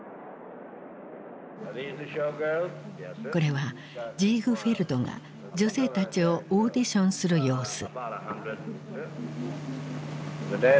これはジーグフェルドが女性たちをオーディションする様子。